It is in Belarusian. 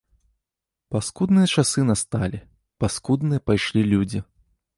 Паскудныя часы насталі, паскудныя пайшлі людзі.